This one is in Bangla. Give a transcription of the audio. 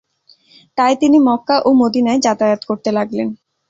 তাই তিনি মক্কা ও মদীনায় যাতায়াত করতে লাগলেন।